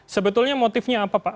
sebetulnya motifnya apa pak